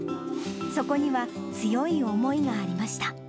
そこには強い思いがありました。